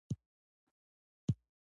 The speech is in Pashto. لا خوب وړی دپیړیو، له خوبونو را وښیږیږی